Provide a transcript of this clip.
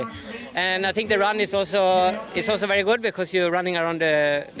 dan saya pikir perjuangan itu juga sangat bagus karena anda berjalan di sepeda